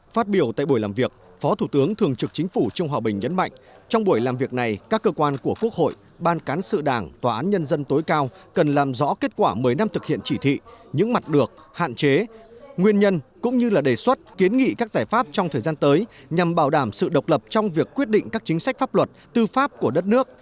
phát biểu tại buổi làm việc phó thủ tướng thường trực chính phủ trung hòa bình nhấn mạnh trong buổi làm việc này các cơ quan của quốc hội ban cán sự đảng tòa án nhân dân tối cao cần làm rõ kết quả mới năm thực hiện chỉ thị những mặt được hạn chế nguyên nhân cũng như là đề xuất kiến nghị các giải pháp trong thời gian tới nhằm bảo đảm sự độc lập trong việc quyết định các chính sách pháp luật tư pháp của đất nước